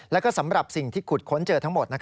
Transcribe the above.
แล้วก็สำหรับสิ่งที่ขุดค้นเจอทั้งหมด